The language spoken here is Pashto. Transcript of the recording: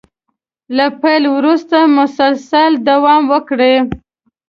له پيل وروسته مسلسل دوام وکړي.